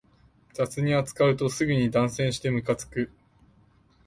雑に扱うとすぐに断線してムカつく